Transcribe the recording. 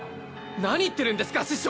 何言ってるんですか師匠！